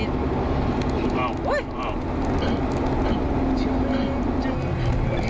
อ้าวอ้าว